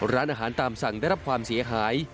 ร้านอาหารตามสั่งได้รับความเสียหาย